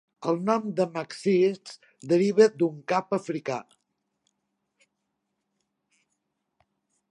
El nom de Maxixe deriva d'un cap africà.